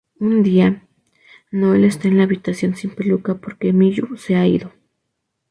Un día, Noel esta en la habitación sin peluca porque Miyu se ha ido.